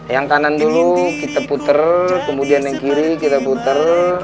yang kanan dulu kita puter kemudian yang kiri kita putar